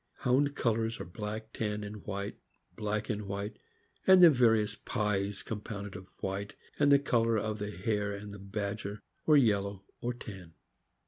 Hound colors are black, tan and white, black and white, and the various "pies" compounded of white and the color of the hare and badger, or yellow, or tan.